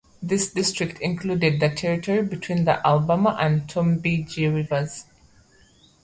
This district included the territory between the Alabama and Tombigbee Rivers.